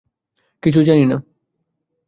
কিছুই জানি না।